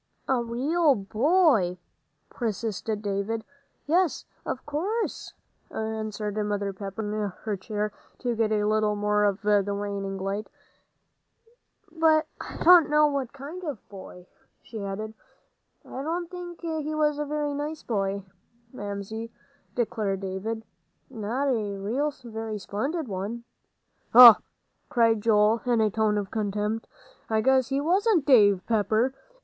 "A real boy?" persisted David. "Yes, of course," answered Mother Pepper, moving her chair to get a little more of the waning light. "But I don't know what kind of a boy," she added. "I don't think he was a very nice boy, Mamsie," declared David. "Not a real, very splendid one." "Huh!" cried Joel, in a tone of contempt. "I guess he wasn't, Dave Pepper!